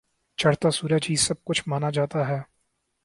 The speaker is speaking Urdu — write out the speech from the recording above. چڑھتا سورج ہی سب کچھ مانا جاتا ہے۔